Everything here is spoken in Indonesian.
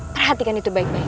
perhatikan itu baik baik